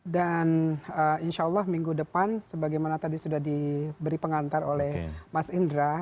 dan insya allah minggu depan sebagaimana tadi sudah diberi pengantar oleh mas indra